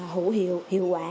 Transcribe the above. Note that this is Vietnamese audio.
hữu hiệu hiệu quả